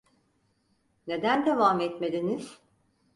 Neden devam etmediniz?